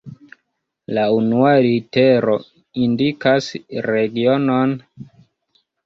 La unua litero indikas regionon.